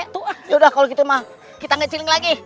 ya sudah kalau begitu kita mencilih lagi